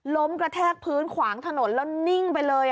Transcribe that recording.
กระแทกพื้นขวางถนนแล้วนิ่งไปเลย